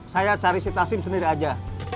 saya cari si tasim sendiri aja